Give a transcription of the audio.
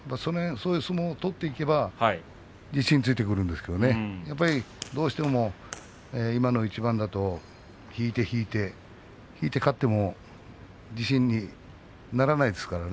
そういう相撲を取っていけばいいんですけれどもどうしても今の一番だと引いて引いて引いて勝っても自信にならないですから。